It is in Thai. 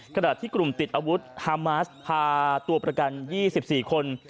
ขณะที่กลุ่มติดอาวุธฮามาสพาตัวประกัน๒๔คน